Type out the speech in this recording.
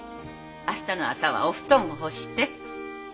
明日の朝はお布団を干して。